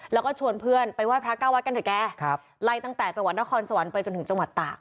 แล้วก็ชวนเพื่อนไปไหว้พระเก้าวัดกันเถอะแกไล่ตั้งแต่จังหวัดนครสวรรค์ไปจนถึงจังหวัดตาก